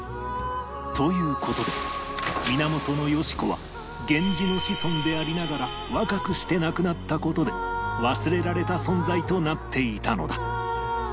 という事で源よし子は源氏の子孫でありながら若くして亡くなった事で忘れられた存在となっていたのだ